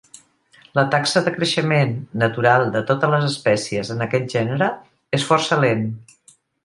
La taxa de creixement natural de totes les espècies en aquest gènere és força lent.